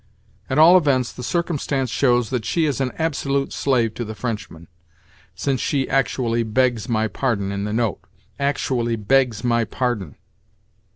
At all events the circumstance shows that she is an absolute slave to the Frenchman, since she actually begs my pardon in the note—actually begs my pardon!